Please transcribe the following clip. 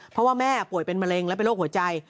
เพราะว่าแม่ป่วยเป็นมะเร็งและเป็นโรคหัวใจ